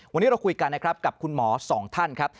วันนี้เราคุยกันนะครับกับคุณหมอสองท่านครับ